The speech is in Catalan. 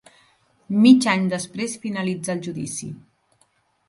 Mig any després finalitza el judici